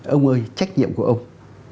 ông ơi trách nhiệm của ông